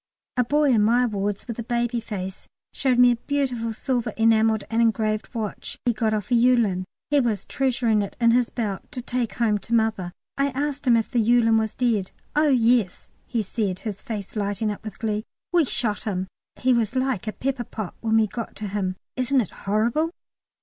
A boy in my wards, with a baby face, showed me a beautiful silver, enamelled and engraved watch he got off a "Yewlan"; he was treasuring it in his belt "to take home to Mother." I asked him if the Yewlan was dead. "Oh yes," he said, his face lighting up with glee; "we shot him. He was like a pepper pot when we got to him." Isn't it horrible?